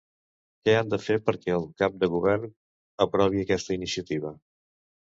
Què han de fer perquè el cap de govern aprovi aquesta iniciativa?